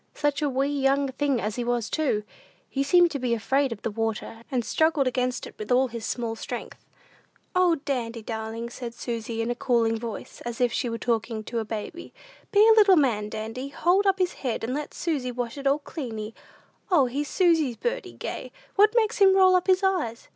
Such a wee young thing as he was too! He seemed to be afraid of the water, and struggled against it with all his small strength. "O, Dandy, darling," said Susy, in a cooing voice, as if she were talking to a baby; "be a little man, Dandy; hold up his head, and let Susy wash it all cleany! O, he's Susie's birdie gay! What makes him roll up his eyes?"